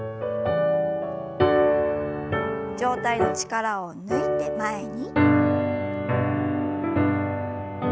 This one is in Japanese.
上体の力を抜いて前に。